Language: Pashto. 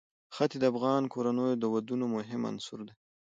ښتې د افغان کورنیو د دودونو مهم عنصر دی.